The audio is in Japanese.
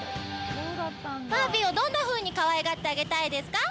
ファービーをどんなふうにかわいがってあげたいですか？